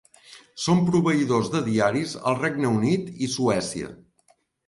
Són proveïdors de diaris al Regne Unit i Suècia.